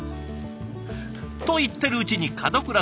と言ってるうちに門倉さん